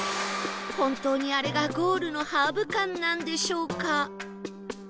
本当にあれがゴールのハーブ館なんでしょうか？